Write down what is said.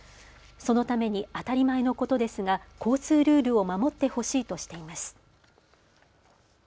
そのために当たり前のことですが交通ルールを守ってほしいとしています。